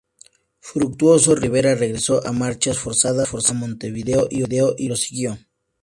Fructuoso Rivera regresó a marchas forzadas a Montevideo y Oribe lo siguió.